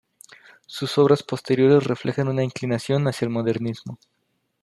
Sus obras posteriores reflejan una inclinación hacia el modernismo.